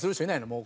もう。